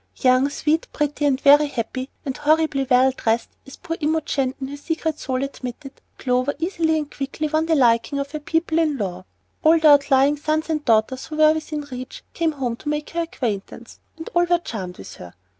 Young, sweet, pretty, very happy, and "horribly well dressed," as poor Imogen in her secret soul admitted, Clover easily and quickly won the liking of her "people in law." All the outlying sons and daughters who were within reach came home to make her acquaintance, and all were charmed with her.